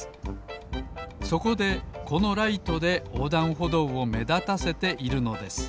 そこでこのライトでおうだんほどうをめだたせているのです